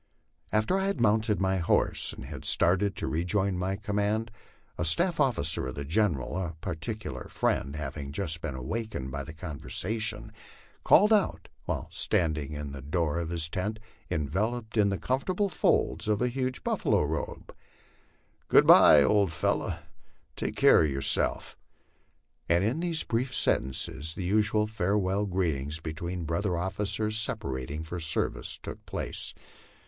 After I had mounted my horse, and had started to rejoin my command, a staff officer of the General, a particular friend, having just been awakened by the conversation, called out, while standing in the door of his tent enveloped in the comfortable folds of a huge buffalo robe, " Good by, old fellow; take care of yourself!" and in these brief sentences the usual farewell greetings between brother officers separating for service took place.